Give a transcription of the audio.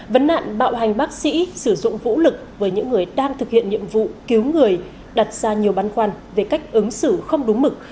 vấn nạn bạo hành bác sĩ sử dụng vũ lực với những người đang thực hiện nhiệm vụ cứu người đặt ra nhiều băn khoăn về cách ứng xử không đúng mực